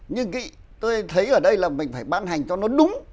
nhưng tôi thấy ở đây là mình phải ban hành cho nó đúng